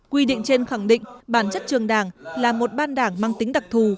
quy định trên khẳng định bản chất trường đảng là một ban đảng mang tính đặc thù